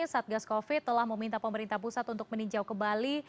satgas covid telah meminta pemerintah pusat untuk meninjau ke bali